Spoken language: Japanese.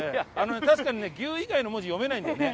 確かにね「牛」以外の文字読めないんだよね。